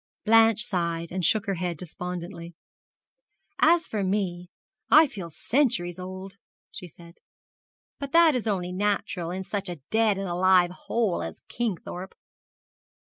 Blanche sighed, and shook her head despondently. 'As for me, I feel centuries old,' she said; 'but that is only natural in such a dead and alive hole as Kingthorpe.'